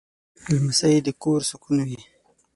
لمسی د کور سکون وي.